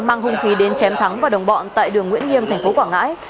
mang hung khí đến chém thắng và đồng bọn tại đường nguyễn nghiêm tp quảng ngãi